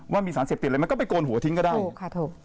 ว่ามีสารเสพติดอะไรมันก็ไปโกนหัวทิ้งก็ได้